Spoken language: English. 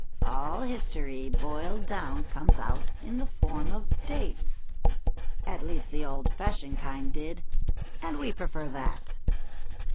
All history boiled down conies out in the form of dates — at least the old fashioned kind did, and we prefer that."